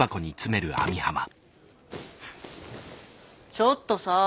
ちょっとさあ。